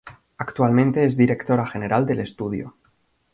Actualmente es Directora General del estudio.